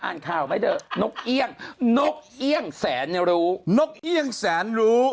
อ่านข่าวไหมเถอะนกเอี่ยงนกเอี่ยงแสนเนี่ยรู้นกเอี่ยงแสนรู้